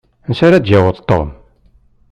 Ansa ara d-yaweḍ Tom?